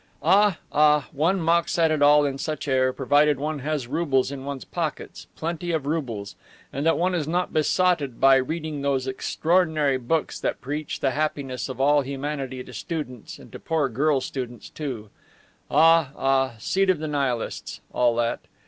Ah, ah, one mocks at it all in such air, provided one has roubles in one's pockets, plenty of roubles, and that one is not besotted by reading those extraordinary books that preach the happiness of all humanity to students and to poor girl students too. Ah, ah, seed of the Nihilists, all that!